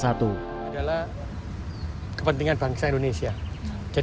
satu adalah kepentingan bangsa indonesia